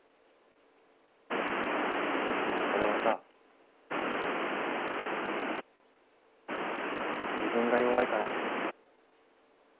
でもそれはさ自分が弱いからなんだ。